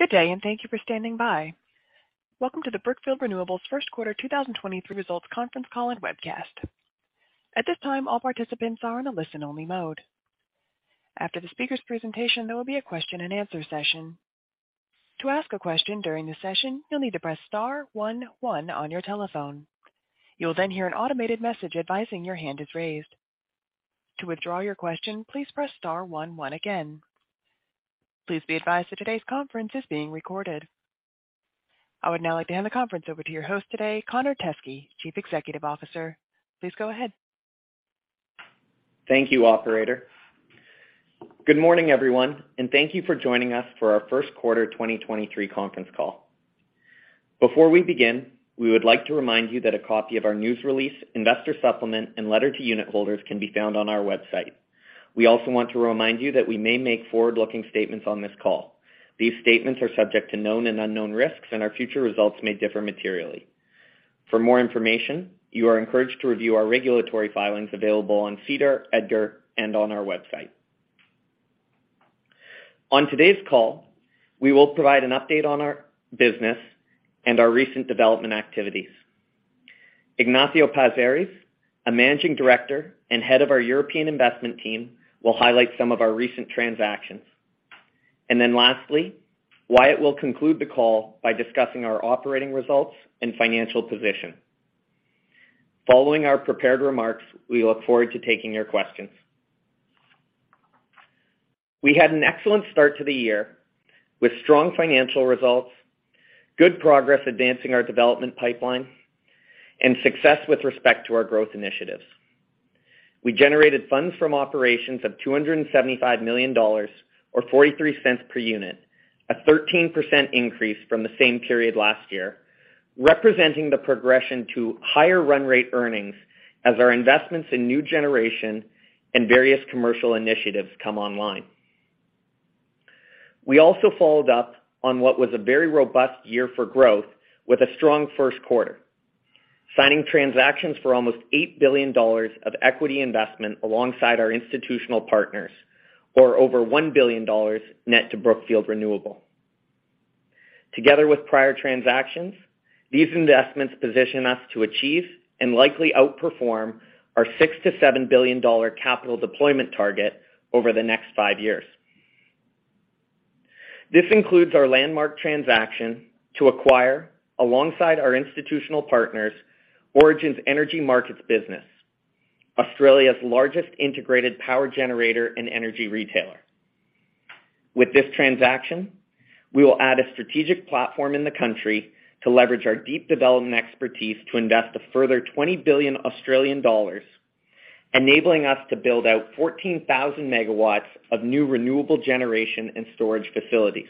Good day. Thank you for standing by. Welcome to the Brookfield Renewable Q1 2023 Results Conference Call and Webcast. At this time, all participants are in a listen-only mode. After the speaker's presentation, there will be a question-and-answer session. To ask a question during the session, you'll need to press star one one on your telephone. You'll hear an automated message advising your hand is raised. To withdraw your question, please press star one one again. Please be advised that today's conference is being recorded. I would now like to hand the conference over to your host today, Connor Teskey, Chief Executive Officer. Please go ahead. Thank you, operator. Good morning, everyone, and thank you for joining us for our Q1 2023 conference call. Before we begin, we would like to remind you that a copy of our news release, investor supplement, and letter to unit holders can be found on our website. We also want to remind you that we may make forward-looking statements on this call. These statements are subject to known and unknown risks, and our future results may differ materially. For more information, you are encouraged to review our regulatory filings available on SEDAR, EDGAR, and on our website. On today's call, we will provide an update on our business and our recent development activities. Ignacio Paz-Ares, a Managing Director and Head of our European investment team, will highlight some of our recent transactions. Lastly, Wyatt will conclude the call by discussing our operating results and financial position. Following our prepared remarks, we look forward to taking your questions. We had an excellent start to the year with strong financial results, good progress advancing our development pipeline, and success with respect to our growth initiatives. We generated funds from operations of $275 million or $0.43 per unit, a 13% increase from the same period last year, representing the progression to higher run rate earnings as our investments in new generation and various commercial initiatives come online. We also followed up on what was a very robust year for growth with a strong Q1, signing transactions for almost $8 billion of equity investment alongside our institutional partners or over $1 billion net to Brookfield Renewable. Together with prior transactions, these investments position us to achieve and likely outperform our $6 billion-$7 billion capital deployment target over the next five years. This includes our landmark transaction to acquire, alongside our institutional partners, Origin's Energy Markets business, Australia's largest integrated power generator and energy retailer. With this transaction, we will add a strategic platform in the country to leverage our deep development expertise to invest a further 20 billion Australian dollars, enabling us to build out 14,000 MW of new renewable generation and storage facilities.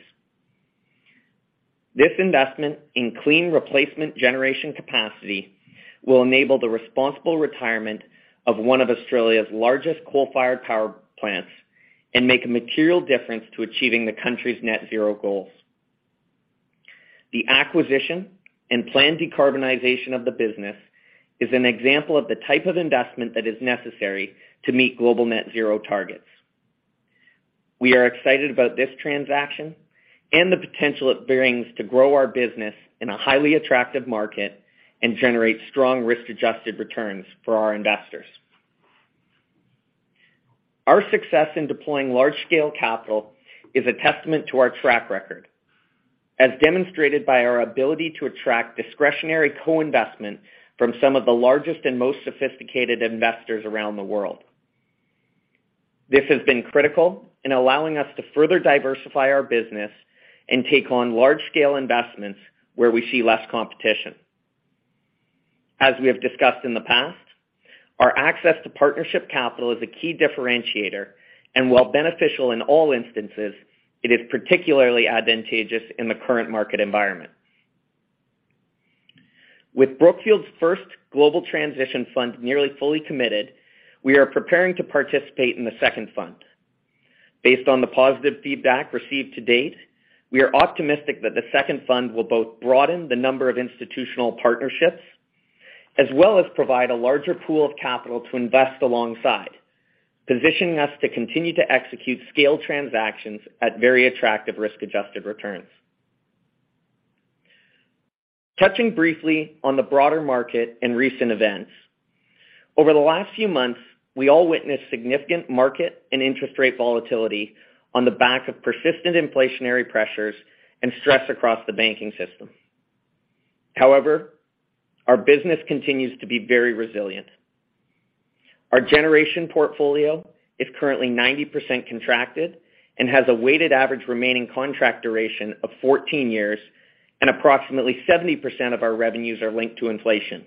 This investment in clean replacement generation capacity will enable the responsible retirement of one of Australia's largest coal-fired power plants and make a material difference to achieving the country's net zero goals. The acquisition and planned decarbonization of the business is an example of the type of investment that is necessary to meet global net zero targets. We are excited about this transaction and the potential it bearings to grow our business in a highly attractive market and generate strong risk-adjusted returns for our investors. Our success in deploying large-scale capital is a testament to our track record, as demonstrated by our ability to attract discretionary co-investment from some of the largest and most sophisticated investors around the world. This has been critical in allowing us to further diversify our business and take on large-scale investments where we see less competition. As we have discussed in the past, our access to partnership capital is a key differentiator, and while beneficial in all instances, it is particularly advantageous in the current market environment. With Brookfield's first global transition fund nearly fully committed, we are preparing to participate in the second fund. Based on the positive feedback received to date, we are optimistic that the second fund will both broaden the number of institutional partnerships, as well as provide a larger pool of capital to invest alongside, positioning us to continue to execute scaled transactions at very attractive risk-adjusted returns. Touching briefly on the broader market and recent events. Over the last few months, we all witnessed significant market and interest rate volatility on the back of persistent inflationary pressures and stress across the banking system. However, our business continues to be very resilient. Our generation portfolio is currently 90% contracted and has a weighted average remaining contract duration of 14 years, and approximately 70% of our revenues are linked to inflation.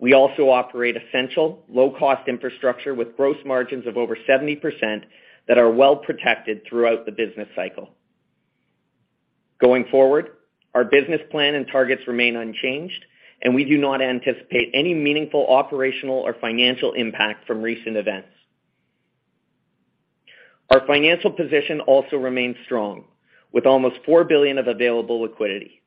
We also operate essential low-cost infrastructure with gross margins of over 70% that are well protected throughout the business cycle. Going forward, our business plan and targets remain unchanged, and we do not anticipate any meaningful operational or financial impact from recent events. Our financial position also remains strong with almost $4 billion of available liquidity.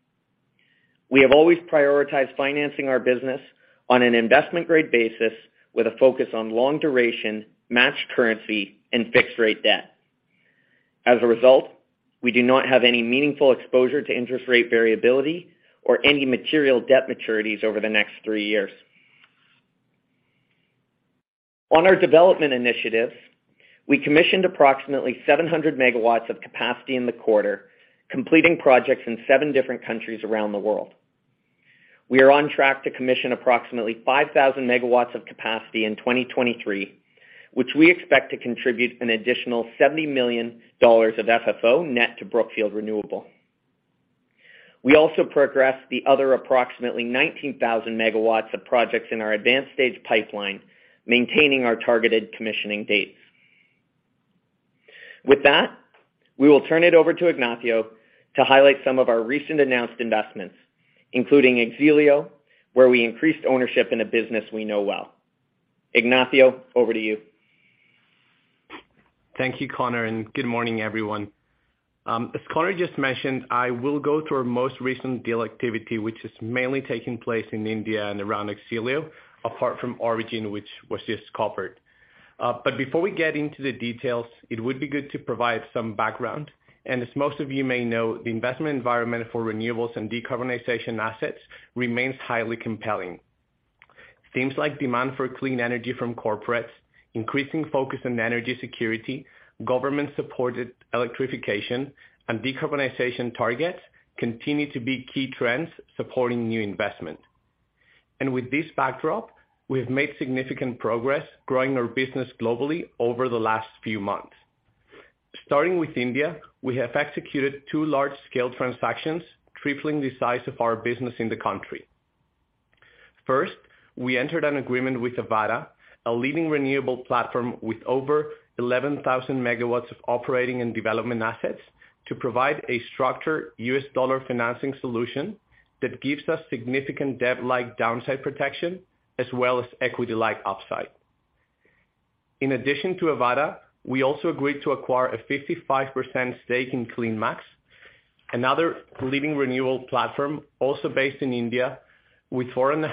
We have always prioritized financing our business on an investment-grade basis with a focus on long duration, match currency, and fixed rate debt. As a result, we do not have any meaningful exposure to interest rate variability or any material debt maturities over the next three years. On our development initiatives, we commissioned approximately 700 MW of capacity in the quarter, completing projects in seven different countries around the world. We are on track to commission approximately 5,000 MW of capacity in 2023, which we expect to contribute an additional $70 million of FFO net to Brookfield Renewable. We also progressed the other approximately 19,000 MW of projects in our advanced stage pipeline, maintaining our targeted commissioning dates. With that, we will turn it over to Ignacio to highlight some of our recent announced investments, including X-ELIO, where we increased ownership in a business we know well. Ignacio, over to you. Thank you, Connor, and good morning, everyone. As Connor just mentioned, I will go through our most recent deal activity, which is mainly taking place in India and around X-ELIO, apart from Origin, which was just covered. Before we get into the details, it would be good to provide some background. As most of you may know, the investment environment for renewables and decarbonization assets remains highly compelling. Themes like demand for clean energy from corporates, increasing focus on energy security, government-supported electrification, and decarbonization targets continue to be key trends supporting new investment. With this backdrop, we have made significant progress growing our business globally over the last few months. Starting with India, we have executed two large-scale transactions, tripling the size of our business in the country. First, we entered an agreement with Avaada, a leading renewable platform with over 11,000 MW of operating and development assets, to provide a structured US dollar financing solution that gives us significant debt-like downside protection as well as equity-like upside. In addition to Avaada, we also agreed to acquire a 55% stake in CleanMax, another leading renewable platform also based in India with 4.5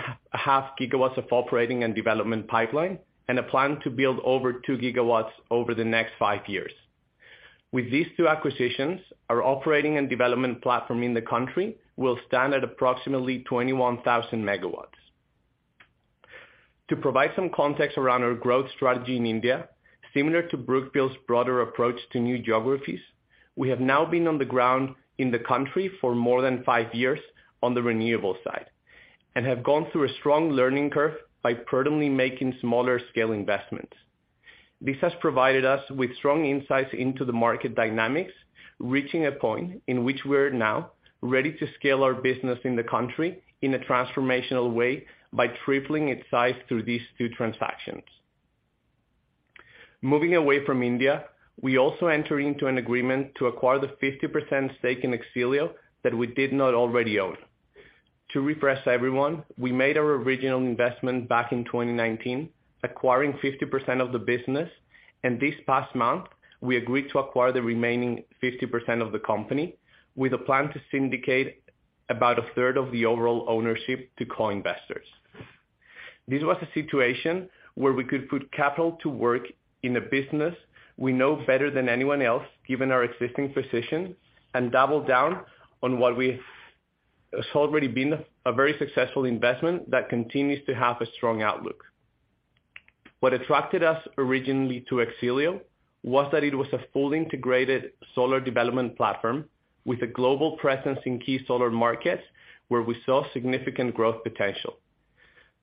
GW of operating and development pipeline and a plan to build over 2 GW over the next five years. With these two acquisitions, our operating and development platform in the country will stand at approximately 21,000 MW. To provide some context around our growth strategy in India, similar to Brookfield's broader approach to new geographies, we have now been on the ground in the country for more than five years on the renewable side and have gone through a strong learning curve by prudently making smaller-scale investments. This has provided us with strong insights into the market dynamics, reaching a point in which we're now ready to scale our business in the country in a transformational way by tripling its size through these two transactions. Moving away from India, we also entered into an agreement to acquire the 50% stake in X-ELIO that we did not already own. To refresh everyone, we made our original investment back in 2019, acquiring 50% of the business. This past month, we agreed to acquire the remaining 50% of the company with a plan to syndicate about a third of the overall ownership to co-investors. This was a situation where we could put capital to work in a business we know better than anyone else, given our existing position, and double down on what has already been a very successful investment that continues to have a strong outlook. What attracted us originally to X-ELIO was that it was a fully integrated solar development platform with a global presence in key solar markets where we saw significant growth potential.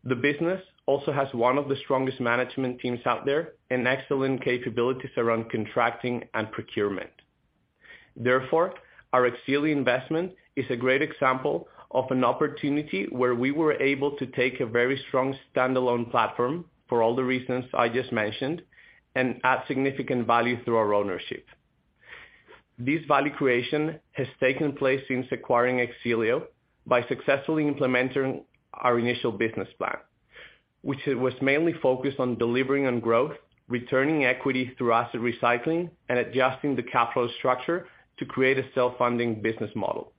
The business also has one of the strongest management teams out there and excellent capabilities around contracting and procurement. Therefore, our X-ELIO investment is a great example of an opportunity where we were able to take a very strong standalone platform for all the reasons I just mentioned and add significant value through our ownership. This value creation has taken place since acquiring X-ELIO by successfully implementing our initial business plan, which was mainly focused on delivering on growth, returning equity through asset recycling, and adjusting the capital structure to create a self-funding business model.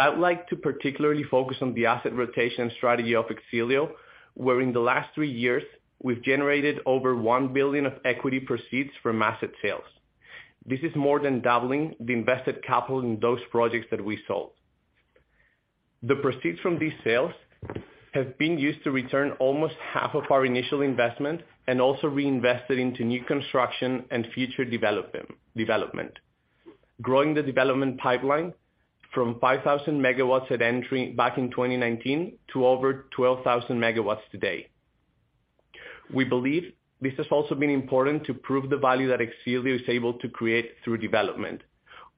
I would like to particularly focus on the asset rotation strategy of X-ELIO, where in the last three years, we've generated over $1 billion of equity proceeds from asset sales. This is more than doubling the invested capital in those projects that we sold. The proceeds from these sales have been used to return almost half of our initial investment and also reinvested into new construction and future development, growing the development pipeline from 5,000 MW at entry back in 2019 to over 12,000 MW today. We believe this has also been important to prove the value that X-ELIO is able to create through development.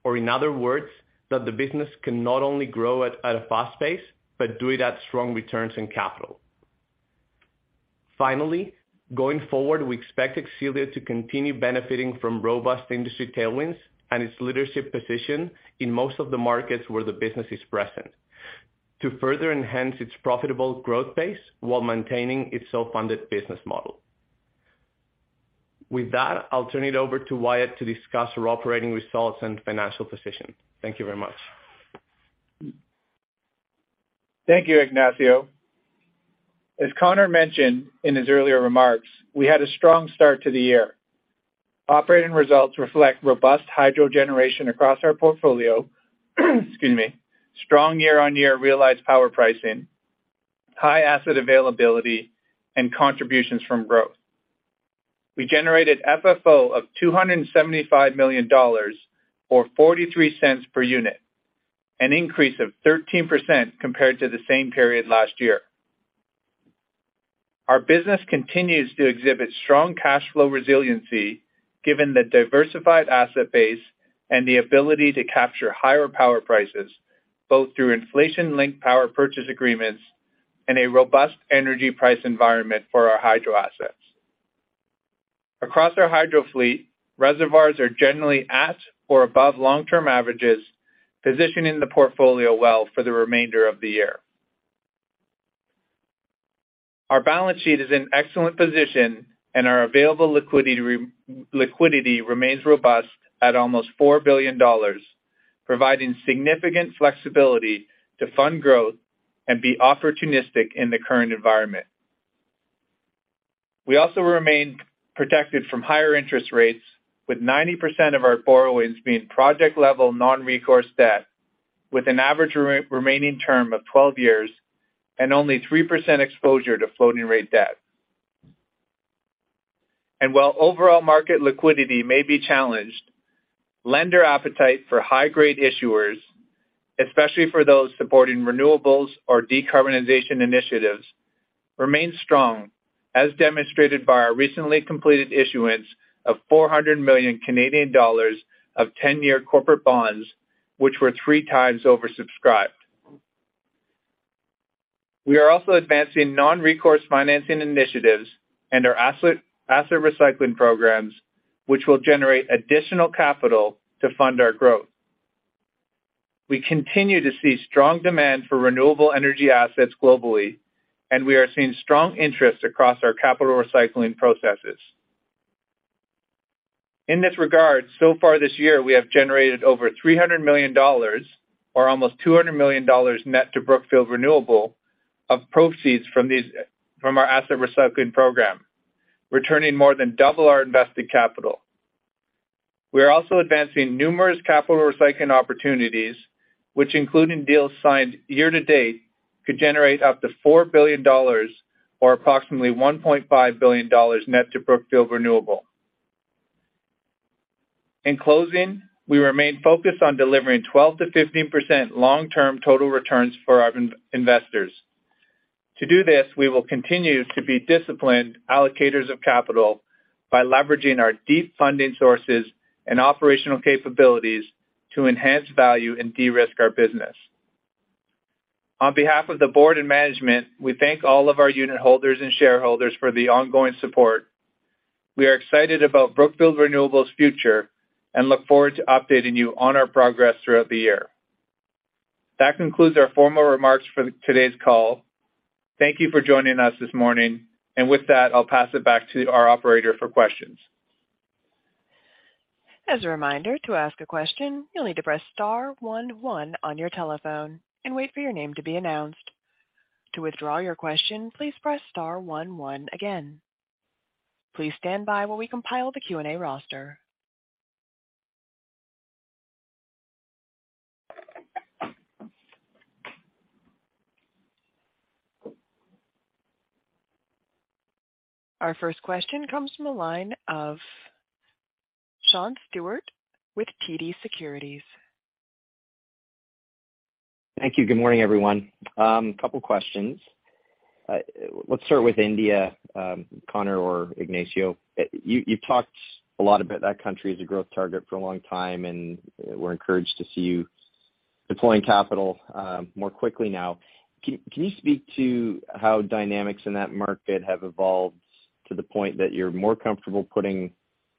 In other words, that the business can not only grow at a fast pace, but do it at strong returns in capital. Finally, going forward, we expect X-ELIO to continue benefiting from robust industry tailwinds and its leadership position in most of the markets where the business is present to further enhance its profitable growth pace while maintaining its self-funded business model. With that, I'll turn it over to Wyatt to discuss our operating results and financial position. Thank you very much. Thank you, Ignacio. As Connor mentioned in his earlier remarks, we had a strong start to the year. Operating results reflect robust hydro generation across our portfolio, excuse me, strong year-on-year realized power pricing, high asset availability, and contributions from growth. We generated FFO of $275 million or $0.43 per unit, an increase of 13% compared to the same period last year. Our business continues to exhibit strong cash flow resiliency given the diversified asset base and the ability to capture higher power prices, both through inflation-linked power purchase agreements and a robust energy price environment for our hydro assets. Across our hydro fleet, reservoirs are generally at or above long-term averages, positioning the portfolio well for the remainder of the year. Our balance sheet is in excellent position, and our available liquidity remains robust at almost $4 billion, providing significant flexibility to fund growth and be opportunistic in the current environment. We also remain protected from higher interest rates with 90% of our borrowings being project-level non-recourse debt, with an average remaining term of 12 years and only 3% exposure to floating rate debt. While overall market liquidity may be challenged, lender appetite for high-grade issuers, especially for those supporting renewables or decarbonization initiatives, remains strong, as demonstrated by our recently completed issuance of 400 million Canadian dollars of 10-year corporate bonds, which were three times oversubscribed. We are also advancing non-recourse financing initiatives and our asset recycling programs, which will generate additional capital to fund our growth. We continue to see strong demand for renewable energy assets globally, and we are seeing strong interest across our capital recycling processes. In this regard, so far this year we have generated over $300 million, or almost $200 million net to Brookfield Renewable of proceeds from our asset recycling program, returning more than double our invested capital. We are also advancing numerous capital recycling opportunities, which including deals signed year to date, could generate up to $4 billion or approximately $1.5 billion net to Brookfield Renewable. In closing, we remain focused on delivering 12%-15% long-term total returns for our investors. To do this, we will continue to be disciplined allocators of capital by leveraging our deep funding sources and operational capabilities to enhance value and de-risk our business. On behalf of the board and management, we thank all of our unitholders and shareholders for the ongoing support. We are excited about Brookfield Renewable's future and look forward to updating you on our progress throughout the year. That concludes our formal remarks for today's call. Thank you for joining us this morning. With that, I'll pass it back to our operator for questions. As a reminder, to ask a question, you'll need to press star one one on your telephone and wait for your name to be announced. To withdraw your question, please press star one one again. Please stand by while we compile the Q&A roster. Our first question comes from the line of Sean Steuart with TD Securities. Thank you. Good morning, everyone. Couple questions. Let's start with India, Connor or Ignacio. You've talked a lot about that country as a growth target for a long time, and we're encouraged to see you deploying capital more quickly now. Can you speak to how dynamics in that market have evolved to the point that you're more comfortable putting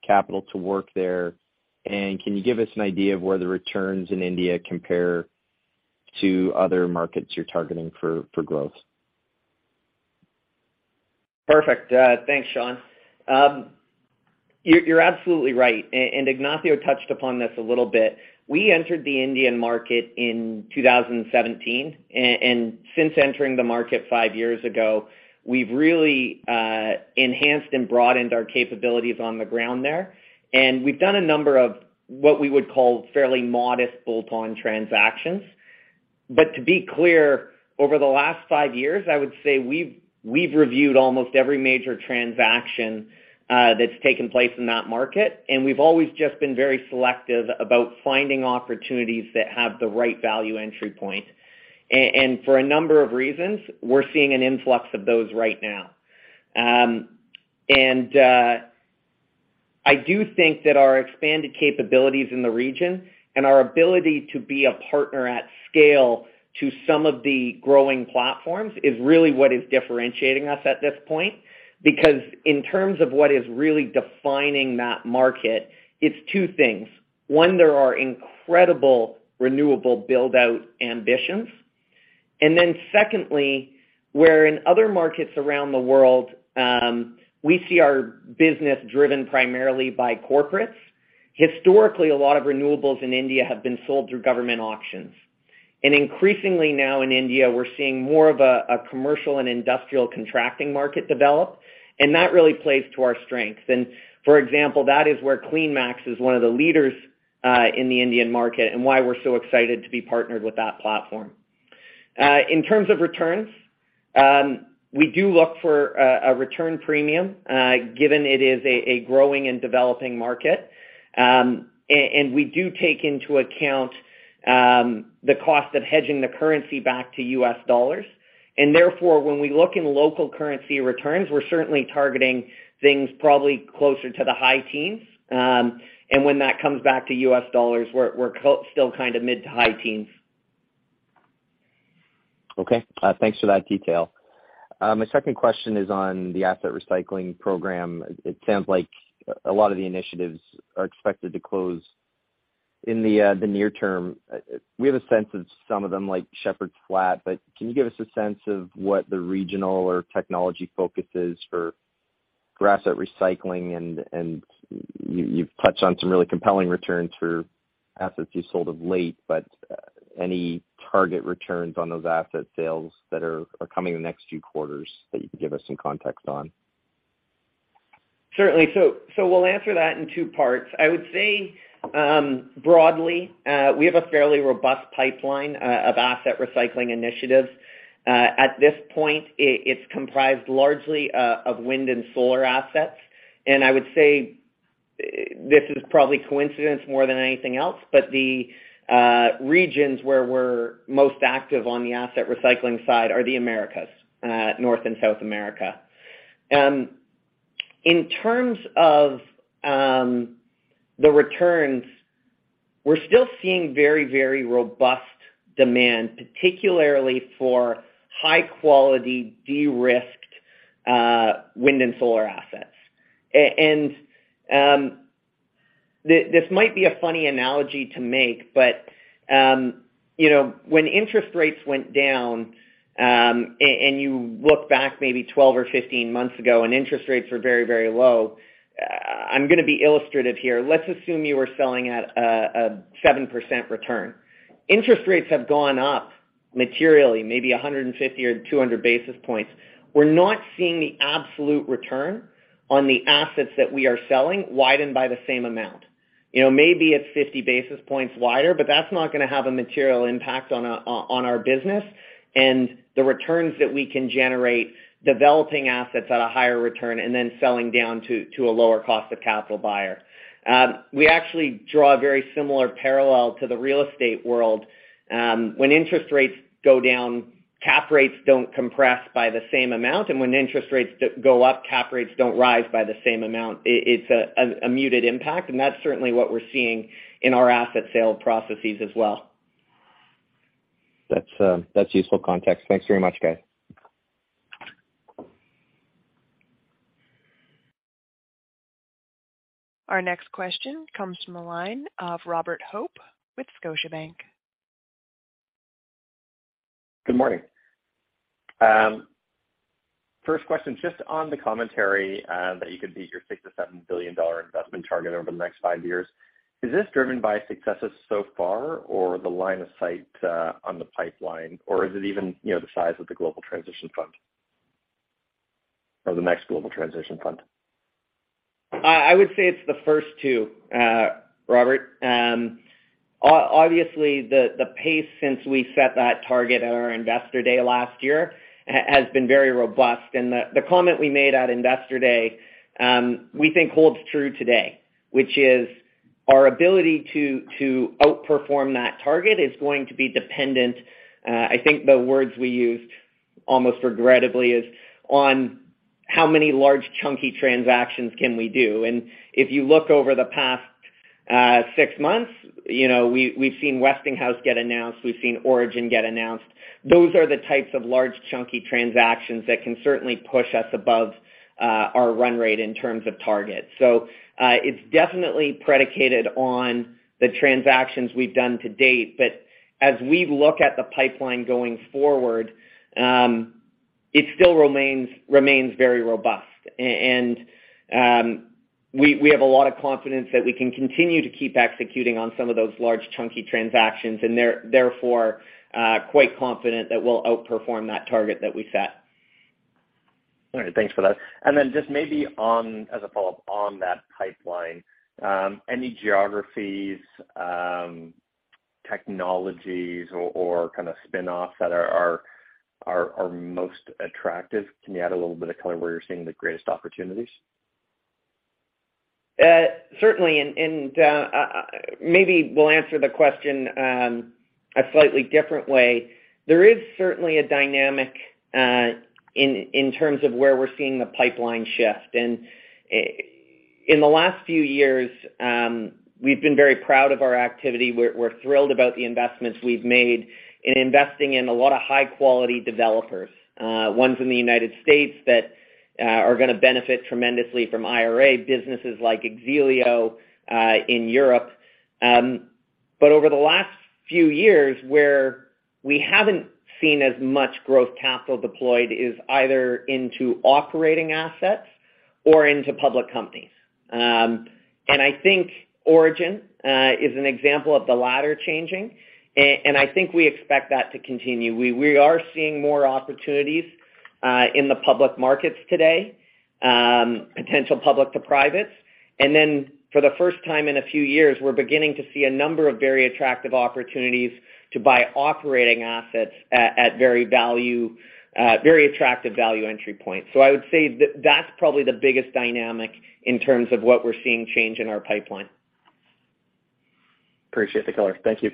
capital to work there? Can you give us an idea of where the returns in India compare to other markets you're targeting for growth? Perfect. Thanks, Sean. You're absolutely right. Ignacio touched upon this a little bit. We entered the Indian market in 2017. Since entering the market five years ago, we've really, enhanced and broadened our capabilities on the ground there. We've done a number of what we would call fairly modest bolt-on transactions. To be clear, over the last five years, I would say we've reviewed almost every major transaction, that's taken place in that market, and we've always just been very selective about finding opportunities that have the right value entry point. For a number of reasons, we're seeing an influx of those right now. I do think that our expanded capabilities in the region and our ability to be a partner at scale to some of the growing platforms is really what is differentiating us at this point. Because in terms of what is really defining that market, it's two things. One, there are incredible renewable build-out ambitions. Then secondly, where in other markets around the world, we see our business driven primarily by corporates. Historically, a lot of renewables in India have been sold through government auctions. Increasingly now in India, we're seeing more of a commercial and industrial contracting market develop, and that really plays to our strengths. For example, that is where CleanMax is one of the leaders, in the Indian market and why we're so excited to be partnered with that platform. In terms of returns, we do look for a return premium, given it is a growing and developing market. And we do take into account the cost of hedging the currency back to USD. Therefore, when we look in local currency returns, we're certainly targeting things probably closer to the high teens. When that comes back to USD, we're still kind of mid to high teens. Okay. Thanks for that detail. My second question is on the asset recycling program. It sounds like a lot of the initiatives are expected to close in the near term. We have a sense of some of them like Shepherds Flat, but can you give us a sense of what the regional or technology focus is for asset recycling? You've touched on some really compelling returns for assets you sold of late, but any target returns on those asset sales that are coming in the next few quarters that you can give us some context on. Certainly. We'll answer that in two parts. I would say, broadly, we have a fairly robust pipeline of asset recycling initiatives. At this point, it's comprised largely of wind and solar assets. I would say this is probably coincidence more than anything else, but the regions where we're most active on the asset recycling side are the Americas, North and South America. In terms of the returns, we're still seeing very robust demand, particularly for high-quality, de-risked wind and solar assets. And this might be a funny analogy to make, but, you know, when interest rates went down, and you look back maybe 12 or 15 months ago, and interest rates were very low, I'm gonna be illustrative here. Let's assume you were selling at a 7% return. Interest rates have gone up materially, maybe 150 or 200 basis points. We're not seeing the absolute return on the assets that we are selling widened by the same amount. You know, maybe it's 50 basis points wider, but that's not gonna have a material impact on our business and the returns that we can generate, developing assets at a higher return, and then selling down to a lower cost of capital buyer. We actually draw a very similar parallel to the real estate world. When interest rates go down, cap rates don't compress by the same amount. When interest rates go up, cap rates don't rise by the same amount. It's a muted impact, and that's certainly what we're seeing in our asset sale processes as well. That's, that's useful context. Thanks very much, guys. Our next question comes from the line of Robert Hope with Scotiabank. Good morning. First question, just on the commentary, that you could beat your $6 billion-$7 billion investment target over the next five years. Is this driven by successes so far or the line of sight, on the pipeline, or is it even, you know, the size of the Brookfield Global Transition Fund or the next Brookfield Global Transition Fund? I would say it's the first two, Robert. Obviously, the pace since we set that target at our Investor Day last year has been very robust. The comment we made at Investor Day, we think holds true today, which is our ability to outperform that target is going to be dependent, I think the words we used almost regrettably is, on how many large, chunky transactions can we do. If you look over the past six months, you know, we've seen Westinghouse get announced, we've seen Origin get announced. Those are the types of large, chunky transactions that can certainly push us above our run rate in terms of targets. It's definitely predicated on the transactions we've done to date. As we look at the pipeline going forward, it still remains very robust. And, we have a lot of confidence that we can continue to keep executing on some of those large, chunky transactions and therefore, quite confident that we'll outperform that target that we set. All right. Thanks for that. Just maybe as a follow-up on that pipeline, any geographies, technologies or kind of spinoffs that are most attractive? Can you add a little bit of color where you're seeing the greatest opportunities? Certainly. Maybe we'll answer the question a slightly different way. There is certainly a dynamic in terms of where we're seeing the pipeline shift. In the last few years, we've been very proud of our activity. We're thrilled about the investments we've made in investing in a lot of high-quality developers, ones in the United States that are gonna benefit tremendously from IRA, businesses like X-ELIO in Europe. Over the last few years where we haven't seen as much growth capital deployed is either into operating assets or into public companies. I think Origin is an example of the latter changing, and I think we expect that to continue. We are seeing more opportunities in the public markets today, potential public to privates. For the first time in a few years, we're beginning to see a number of very attractive opportunities to buy operating assets at very attractive value entry points. I would say that's probably the biggest dynamic in terms of what we're seeing change in our pipeline. Appreciate the color. Thank you.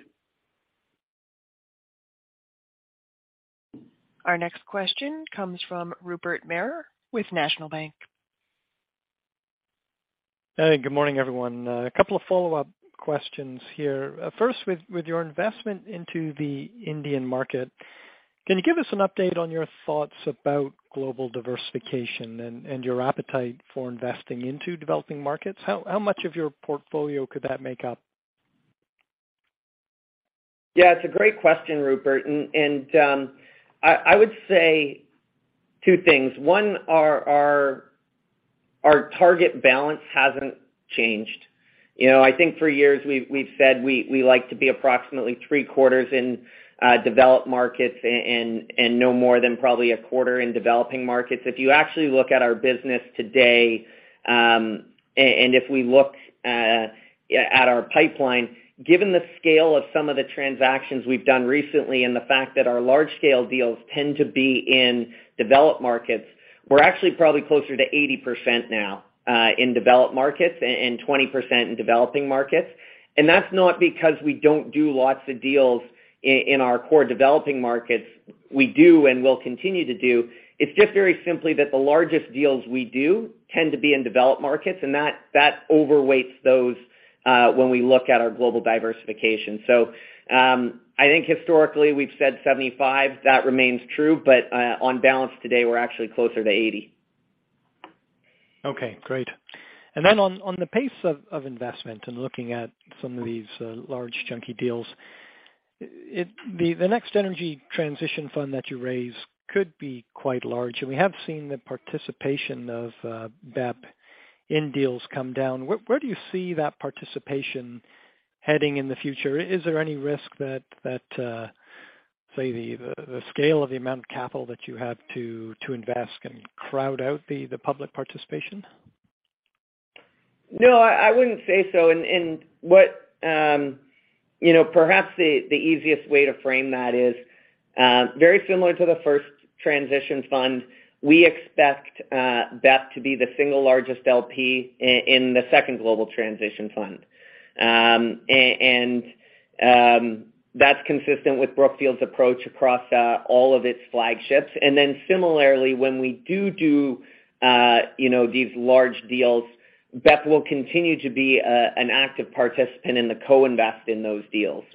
Our next question comes from Rupert Merer with National Bank. Hey, good morning, everyone. A couple of follow-up questions here. First with your investment into the Indian market, can you give us an update on your thoughts about global diversification and your appetite for investing into developing markets? How, how much of your portfolio could that make up? Yeah, it's a great question, Rupert. And I would say two things. One, our target balance hasn't changed. You know, I think for years we've said we like to be approximately three-quarters in developed markets and no more than probably a quarter in developing markets. If you actually look at our business today, and if we look at our pipeline, given the scale of some of the transactions we've done recently and the fact that our large-scale deals tend to be in developed markets, we're actually probably closer to 80% now, in developed markets and 20% in developing markets. That's not because we don't do lots of deals in our core developing markets. We do and will continue to do. It's just very simply that the largest deals we do tend to be in developed markets, and that overweights those when we look at our global diversification. I think historically we've said 75%. That remains true. On balance today, we're actually closer to 80%. Okay, great. On the pace of investment and looking at some of these large chunky deals, the next Energy Transition Fund that you raise could be quite large. We have seen the participation of BEP in deals come down. Where do you see that participation heading in the future? Is there any risk that say, the scale of the amount of capital that you have to invest can crowd out the public participation? No, I wouldn't say so. What, you know, perhaps the easiest way to frame that is very similar to the first Global Transition Fund, we expect BEP to be the single largest LP in the second Global Transition Fund. That's consistent with Brookfield's approach across all of its flagships. Similarly, when we do, you know, these large deals, BEP will continue to be an active participant in the co-invest in those deals.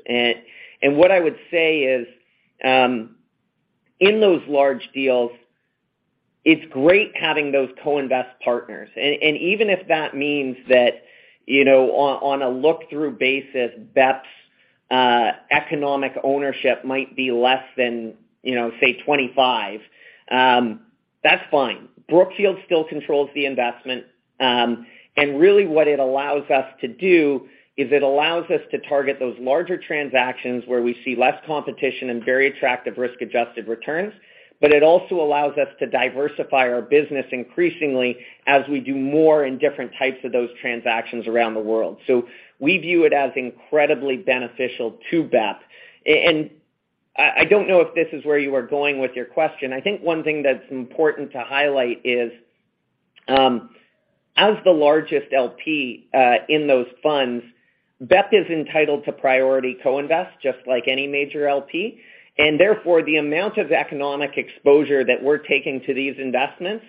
What I would say is, in those large deals, it's great having those co-invest partners. Even if that means that, you know, on a look-through basis, BEP's economic ownership might be less than, you know, say 25, that's fine. Brookfield still controls the investment. Really what it allows us to do is it allows us to target those larger transactions where we see less competition and very attractive risk-adjusted returns, but it also allows us to diversify our business increasingly as we do more in different types of those transactions around the world. We view it as incredibly beneficial to BEP. I don't know if this is where you are going with your question. I think one thing that's important to highlight is, as the largest LP in those funds, BEP is entitled to priority co-invest, just like any major LP. Therefore, the amount of economic exposure that we're taking to these investments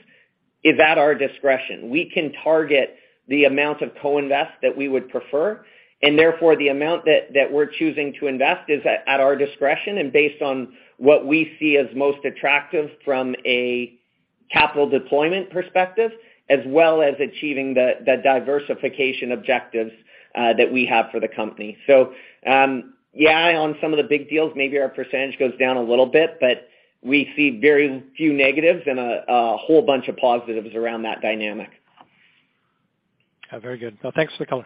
is at our discretion. We can target the amount of co-invest that we would prefer, and therefore, the amount that we're choosing to invest is at our discretion and based on what we see as most attractive from a capital deployment perspective, as well as achieving the diversification objectives that we have for the company. Yeah, on some of the big deals, maybe our percentage goes down a little bit, but we see very few negatives and a whole bunch of positives around that dynamic. Very good. Well, thanks for the color.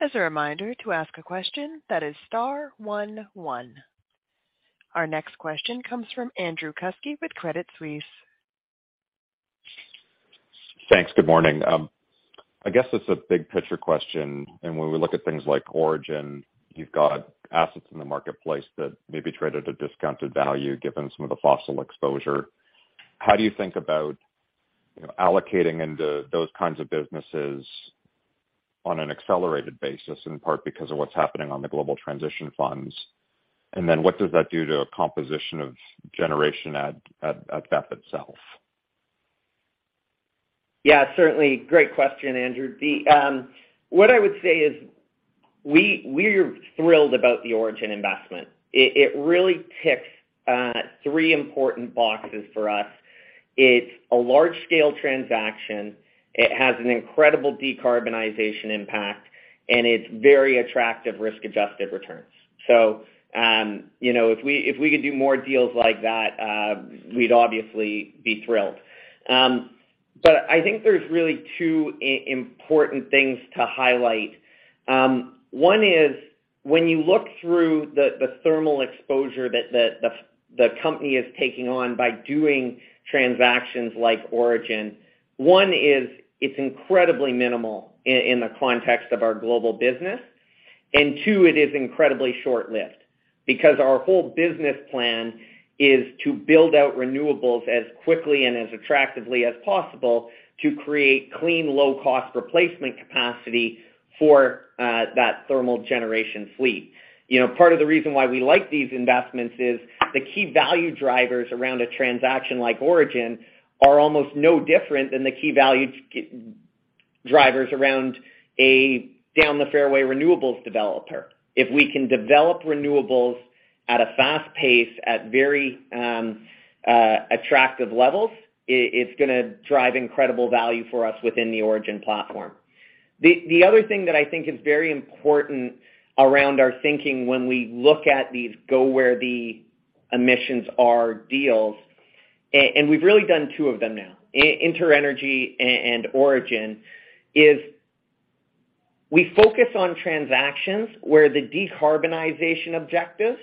As a reminder to ask a question, that is star one one. Our next question comes from Andrew Kuske with Credit Suisse. Thanks. Good morning. I guess it's a big picture question, when we look at things like Origin, you've got assets in the marketplace that may be traded at discounted value given some of the fossil exposure. How do you think about allocating into those kinds of businesses on an accelerated basis, in part because of what's happening on the Global Transition Funds? What does that do to a composition of generation at BEP itself? Certainly. Great question, Andrew. What I would say is we're thrilled about the Origin investment. It really ticks three important boxes for us. It's a large-scale transaction, it has an incredible decarbonization impact, and it's very attractive risk-adjusted returns. You know, if we could do more deals like that, we'd obviously be thrilled. I think there's really two important things to highlight. One is when you look through the thermal exposure that the company is taking on by doing transactions like Origin, one is it's incredibly minimal in the context of our global business, and two, it is incredibly short-lived. Our whole business plan is to build out renewables as quickly and as attractively as possible to create clean, low-cost replacement capacity for that thermal generation fleet. You know, part of the reason why we like these investments is the key value drivers around a transaction like Origin are almost no different than the key value drivers around a down the fairway renewables developer. If we can develop renewables at a fast pace at very attractive levels, it's gonna drive incredible value for us within the Origin platform. The other thing that I think is very important around our thinking when we look at these go where the emissions are deals, and we've really done two of them now, InterEnergy and Origin, is we focus on transactions where the decarbonization objectives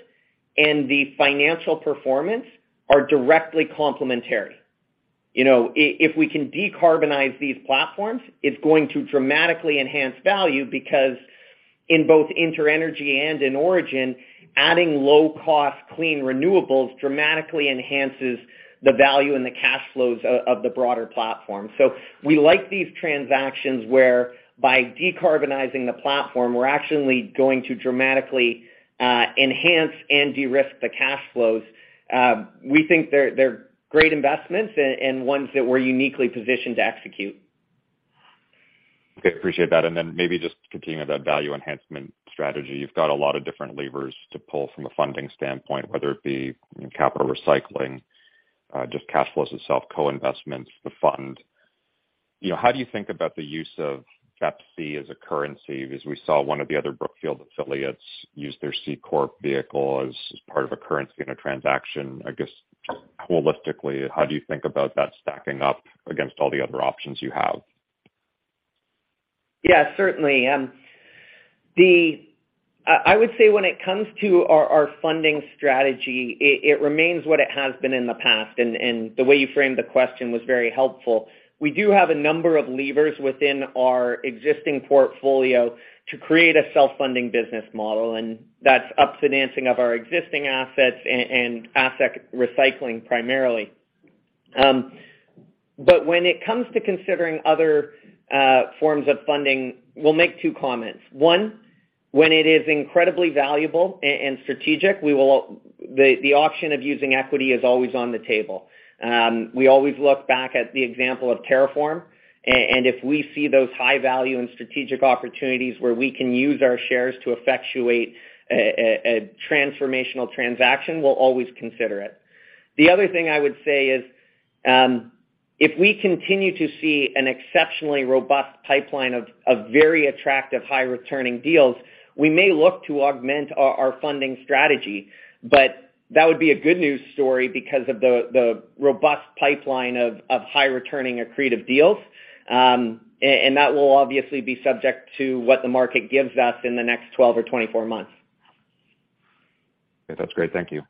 and the financial performance are directly complementary. You know, if we can decarbonize these platforms, it's going to dramatically enhance value because in both InterEnergy and in Origin, adding low-cost clean renewables dramatically enhances the value and the cash flows of the broader platform. We like these transactions where by decarbonizing the platform, we're actually going to dramatically enhance and de-risk the cash flows. We think they're great investments and ones that we're uniquely positioned to execute. Okay, appreciate that. Maybe just continuing with that value enhancement strategy. You've got a lot of different levers to pull from a funding standpoint, whether it be capital recycling, just cash flows itself, co-investments, the fund. You know, how do you think about the use of BEPC as a currency, as we saw one of the other Brookfield affiliates use their C corp vehicle as part of a currency in a transaction? I guess holistically, how do you think about that stacking up against all the other options you have? Yeah, certainly. I would say when it comes to our funding strategy, it remains what it has been in the past. And the way you framed the question was very helpful. We do have a number of levers within our existing portfolio to create a self-funding business model, and that's up financing of our existing assets and asset recycling primarily. When it comes to considering other forms of funding, we'll make two comments. One, when it is incredibly valuable and strategic, we will. The option of using equity is always on the table. We always look back at the example of TerraForm, and if we see those high value and strategic opportunities where we can use our shares to effectuate a transformational transaction, we'll always consider it. The other thing I would say is, if we continue to see an exceptionally robust pipeline of very attractive high-returning deals, we may look to augment our funding strategy. That would be a good news story because of the robust pipeline of high-returning accretive deals. That will obviously be subject to what the market gives us in the next 12 or 24 months. Okay. That's great. Thank you.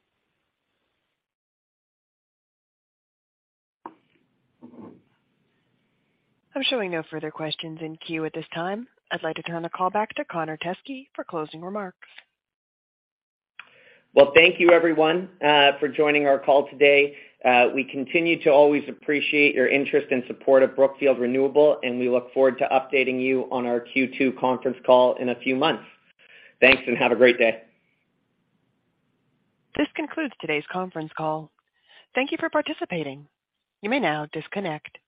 I'm showing no further questions in queue at this time. I'd like to turn the call back to Connor Teskey for closing remarks. Thank you everyone for joining our call today. We continue to always appreciate your interest and support of Brookfield Renewable, and we look forward to updating you on our Q2 conference call in a few months. Thanks. Have a great day. This concludes today's conference call. Thank you for participating. You may now disconnect.